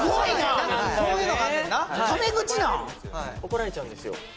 怒られちゃうんですよ